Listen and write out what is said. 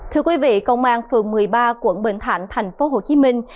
thưa quý vị công an phường một mươi ba quận bình thạnh thành phố hồ chí minh